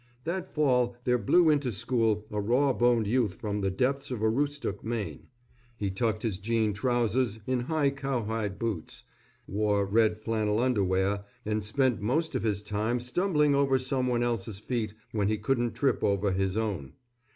That fall there blew into school a rawboned youth from the depths of Aroostook, Maine. He tucked his jean trousers in high cowhide boots, wore red flannel underwear, and spent most of his time stumbling over some one else's feet when he couldn't trip over his own.